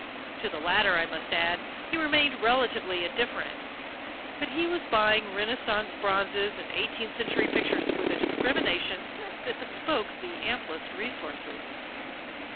To the latter, I must add, he remained relatively indifferent; but he was buying Renaissance bronzes and eighteenth century pictures with a discrimination that bespoke the amplest resources.